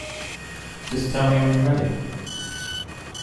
Just tell me when you're ready.